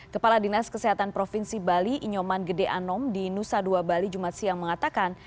kepala dinas kesehatan provinsi bali inyoman gede anom di nusa dua bali jumat siang mengatakan